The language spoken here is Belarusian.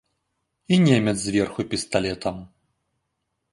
І немец зверху пісталетам.